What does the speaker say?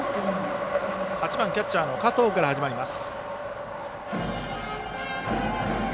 ８番、キャッチャーの加藤から始まります。